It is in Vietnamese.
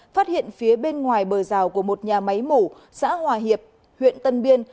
phát hiện phía bên ngoài bờ rào của một nhà máy mủ xã hòa hiệp huyện tân biên